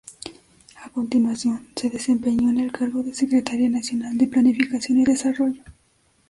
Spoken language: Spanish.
A continuación, se desempeñó en el cargo de secretaria nacional de Planificación y Desarrollo.